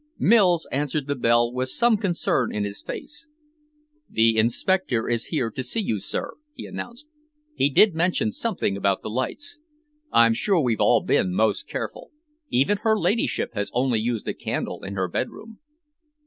Mills answered the bell with some concern in his face. "The inspector is here to see you, sir," he announced. "He did mention something about the lights. I'm sure we've all been most careful. Even her ladyship has only used a candle in her bedroom."